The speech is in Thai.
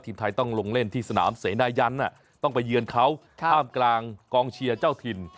ไทยต้องลงเล่นที่สนามเสนายันต้องไปเยือนเขาท่ามกลางกองเชียร์เจ้าถิ่น